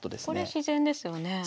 これ自然ですよね。